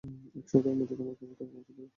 এক সপ্তাহের মধ্যে তোমার কাছে টাকা পৌঁছে দেবে।